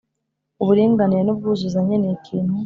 Uburinganire n ubwuzuzanye ni ikintu